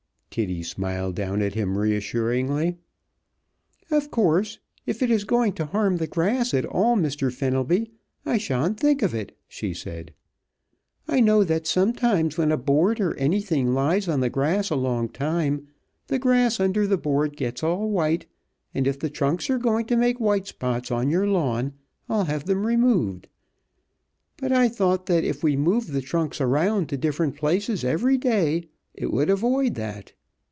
Kitty smiled down at him reassuringly. "Of course, if it is going to harm the grass at all, Mr. Fenelby, I sha'n't think of it," she said. "I know that sometimes when a board or anything lies on the grass a long time the grass under the board gets all white, and if the trunks are going to make white spots on your lawn, I'll have them removed, but I thought that if we moved the trunks around to different places every day it would avoid that.